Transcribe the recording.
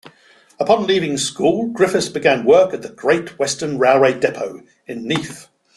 Upon leaving school, Griffiths began work at the Great Western Railway depot in Neath.